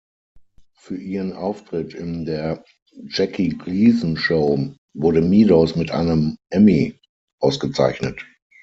Für ihren Auftritt in der Jackie-Gleason-Show wurde Meadows mit einem Emmy ausgezeichnet.